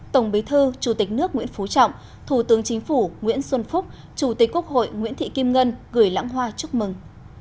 tổng bí thư chủ tịch nước nguyễn phú trọng thủ tướng chính phủ nguyễn xuân phúc chủ tịch quốc hội nguyễn thị kim ngân gửi lãng hoa chúc mừng